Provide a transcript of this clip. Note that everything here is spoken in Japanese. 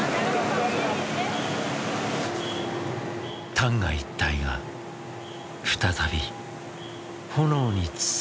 旦過一帯が再び炎に包まれました。